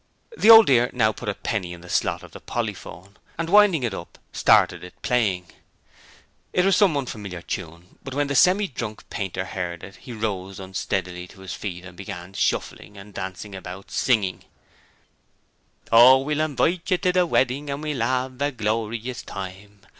The Old Dear now put a penny in the slot of the polyphone, and winding it up started it playing. It was some unfamiliar tune, but when the Semi drunk Painter heard it he rose unsteadily to his feet and began shuffling and dancing about, singing: 'Oh, we'll inwite you to the wedding, An' we'll 'ave a glorious time!